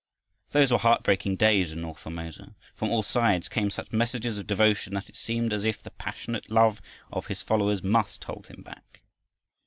Those were heart breaking days in north Formosa. From all sides came such messages of devotion that it seemed as if the passionate love of his followers must hold him back.